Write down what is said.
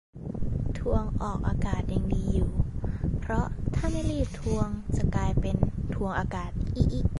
ทวงออกอากาศ ยังดีอยู่ เพราะถ้าไม่รีบทวง จะกลายเป็น ทวงอากาศ อิอิ